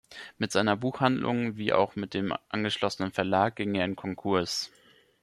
Mit seiner Buchhandlung wie auch mit dem angeschlossenen Verlag ging er in Konkurs.